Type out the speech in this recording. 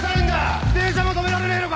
自転車も止められねえのか！